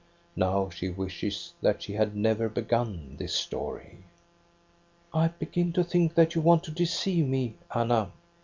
Now she wishes that she had never begun this story. " I begin to think that you want to deceive me, Anna.